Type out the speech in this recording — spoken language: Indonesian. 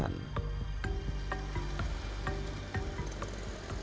kapsul ini memiliki kekuatan yang sangat luar biasa